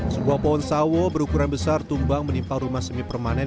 sebuah pohon sawo berukuran besar tumbang menimpa rumah semipermanen